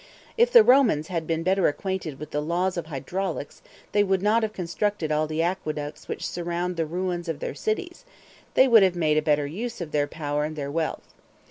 If the Romans had been better acquainted with the laws of hydraulics, they would not have constructed all the aqueducts which surround the ruins of their cities they would have made a better use of their power and their wealth.